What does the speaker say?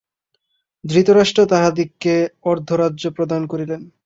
ধৃতরাষ্ট্র তাঁহাদিগকে অর্ধরাজ্য প্রদান করিলেন।